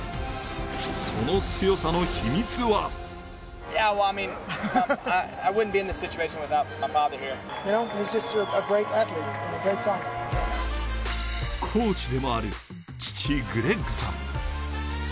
その強さの秘密はコーチでもある父、グレッグさん。